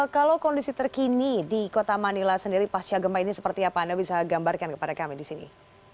kalau kondisi terkini di kota manila sendiri pasca gempa ini seperti apa anda bisa gambarkan kepada kami di sini